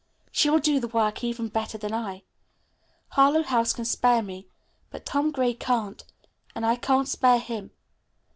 She will do the work even better than I. Harlowe House can spare me, but Tom Gray can't, and I can't spare him.